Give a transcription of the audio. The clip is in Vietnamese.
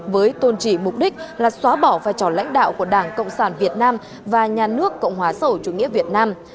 với tôn trì mục đích là xóa bỏ vai trò lãnh đạo của đảng cộng sản việt nam và nhà nước cộng hòa sầu chủ nghĩa việt nam